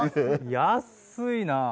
安いな。